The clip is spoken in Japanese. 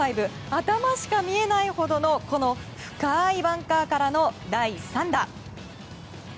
頭しか見えないほどのこの深いバンカーからの第３打。